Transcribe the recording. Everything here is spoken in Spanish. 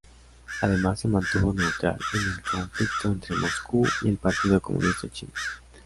Además se mantuvo neutral en el conflicto entre Moscú y el Partido Comunista Chino.